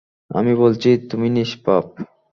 আমি বলছি, তুমি নিষ্পাপ।